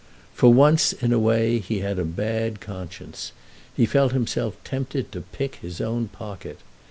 For once in a way he had a bad conscience—he felt himself tempted to pick his own pocket.